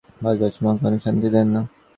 ভারতবর্ষে মা কখনই শাস্তি দেন না।